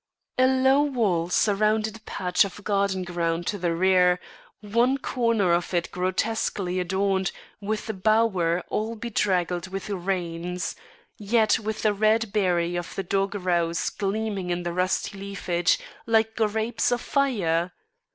A low wall surrounded a patch of garden ground to the rear, one corner of it grotesquely adorned with a bower all bedraggled with rains, yet with the red berry of the dog rose gleaming in the rusty leafage like grapes of fire.